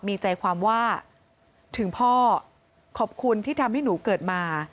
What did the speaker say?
มีใจความว่าถึงพ่อขอบคุณที่ทำให้หนูเกิดมา